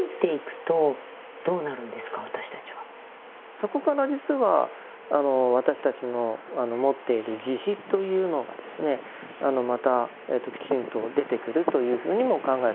そこから実は私たちの持っている慈悲というのがですねまたきちんと出てくるというふうにも考えることができます。